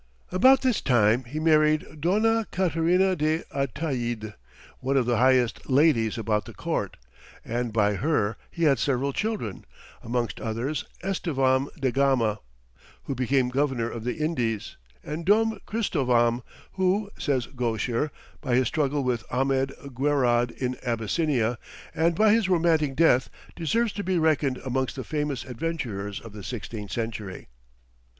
About this time he married Dona Caterina de Ataïde, one of the highest ladies about the court, and by her he had several children, amongst others Estevam da Gama, who became governor of the Indies, and Dom Christovam, who, says Gaucher, by his struggle with Ahmed Guerad in Abyssinia, and by his romantic death, deserves to be reckoned amongst the famous adventurers of the sixteenth century.